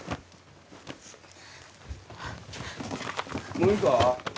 もういいか？